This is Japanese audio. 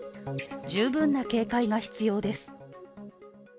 十分な警戒が必要です。